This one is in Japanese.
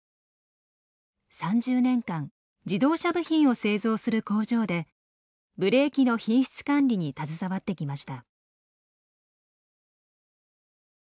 ３０年間自動車部品を製造する工場でブレーキの品質管理に携わってきました。